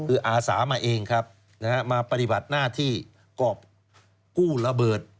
คืออาสามาเองครับนะฮะมาปฏิบัติหน้าที่กรอบกู้ระเบิด